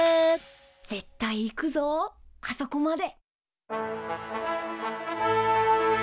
絶対行くぞあそこまで。